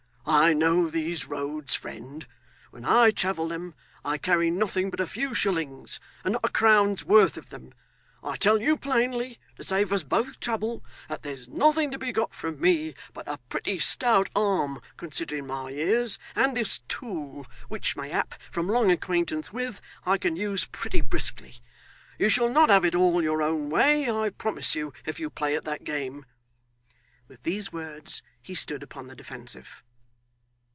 I know these roads, friend. When I travel them, I carry nothing but a few shillings, and not a crown's worth of them. I tell you plainly, to save us both trouble, that there's nothing to be got from me but a pretty stout arm considering my years, and this tool, which, mayhap from long acquaintance with, I can use pretty briskly. You shall not have it all your own way, I promise you, if you play at that game. With these words he stood upon the defensive.